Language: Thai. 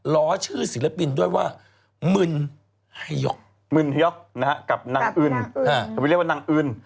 ล้อชื่อศิลปินด้วยว่ามึนหยอกกับนางอื่น